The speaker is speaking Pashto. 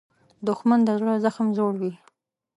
دښمن د زړه زخم زوړوي